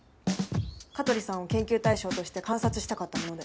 香取さんを研究対象として観察したかったもので。